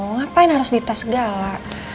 ngapain harus ditas segala